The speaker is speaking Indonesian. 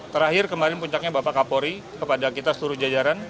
terakhir kemarin puncaknya bapak kapolri kepada kita seluruh jajaran